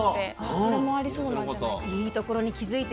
それもありそうなんじゃないかなって。